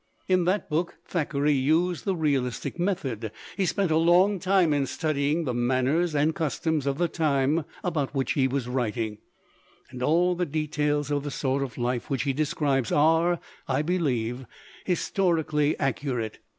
In that book Thackeray used the realistic method; he spent a long time in studying the manners and customs of the time about which he was writing; and all the details of the sort of life which he describes are, I believe, historically accurate.